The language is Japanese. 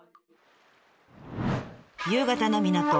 夕方の港。